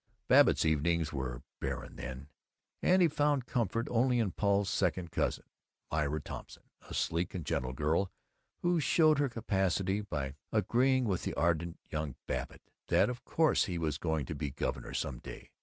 Babbitt's evenings were barren then, and he found comfort only in Paul's second cousin, Myra Thompson, a sleek and gentle girl who showed her capacity by agreeing with the ardent young Babbitt that of course he was going to be governor some day.